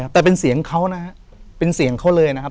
แต่เป็นเสียงเขานะครับเป็นเสียงเขาเลยนะครับ